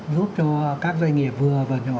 giúp cho các doanh nghiệp vừa và nhỏ